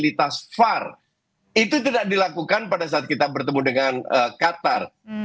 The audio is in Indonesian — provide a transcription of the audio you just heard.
jadi di pasaran fasilitas var itu tidak dilakukan pada saat kita bertemu dengan kathar